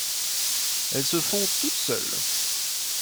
Elles se font toutes seules.